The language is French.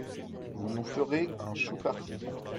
Vous nous ferez un chou farci.